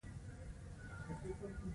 هغه فهم ته نه رسېږي.